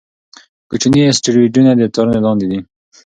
کوچني اسټروېډونه د څارنې لاندې دي.